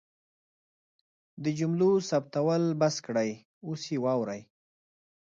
د جملو ثبتول بس کړئ اوس یې واورئ